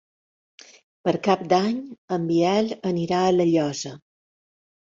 Per Cap d'Any en Biel anirà a La Llosa.